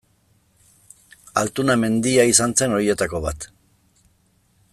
Altuna mendia izan zen horietako bat.